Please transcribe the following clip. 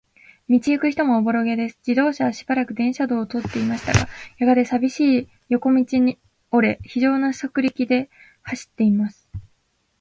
道ゆく人もおぼろげです。自動車はしばらく電車道を通っていましたが、やがて、さびしい横町に折れ、ひじょうな速力で走っています。